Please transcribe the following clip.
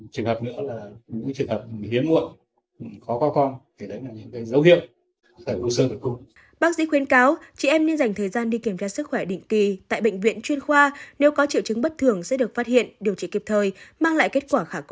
chia sẻ về u sơ tử cung thạc sĩ nguyễn bá phê nguyễn phó trưởng khoa phụ ngoại bệnh viện phu sản trung ương cho biết